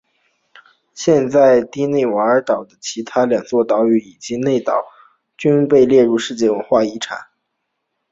现在提内托岛和附近的其他两座岛屿以及韦内雷港一并被列入世界文化遗产。